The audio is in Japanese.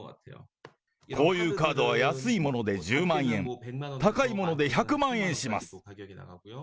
こういうカードは安いもので１０万円、高いもので１００万円します。